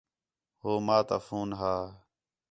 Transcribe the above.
ہو ماں تا فون ہا